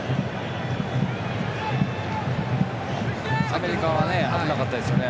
アメリカは危なかったですよね。